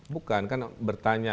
bukan kan bertanya